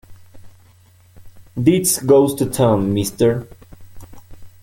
Deeds Goes to Town", Mr.